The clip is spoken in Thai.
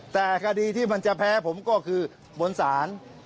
แต่คดีที่มันจะแพ้ผมก็คือบนศาล